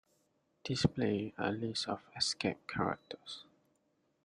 Display a list of escape characters.